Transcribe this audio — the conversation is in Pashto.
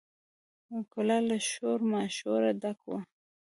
کلا له شور ماشوره ډکه وه.